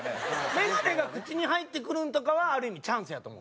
メガネが口に入ってくるんとかはある意味チャンスやと思う。